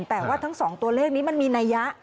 แต่ว่าทั้งสองตัวเลขนี้มันมีนัยยะ